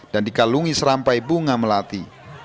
dan dikalungi serampai bunga melati